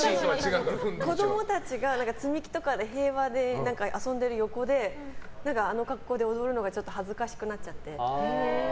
子供たちが積み木とかで平和で遊んでる横であの格好で踊るのが恥ずかしくなっちゃって。